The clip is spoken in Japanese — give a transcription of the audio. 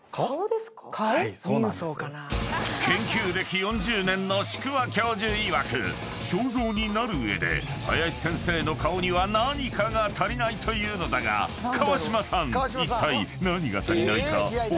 ［研究歴４０年の宿輪教授いわく肖像になる上で林先生の顔には何かが足りないというのだが川島さんいったい何が足りないかお答えください］